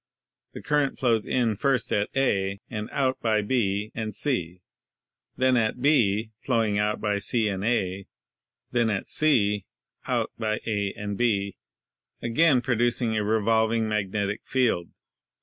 The current flows in first at A (and out by B and C), then at B (flowing out by C and A), then at C (out by A and B), again producing a revolving magnetic field.